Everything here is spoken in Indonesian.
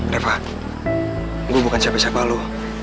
reva gua bukan siapa siapa lu